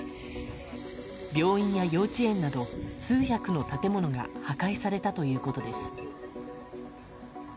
病院や幼稚園など数百の建物が破壊されたということです。